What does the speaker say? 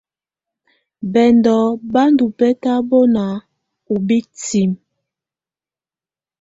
Bɛndɔ́ bá ndɔ́ bɛ́tabɔná ú bǝ́tinǝ.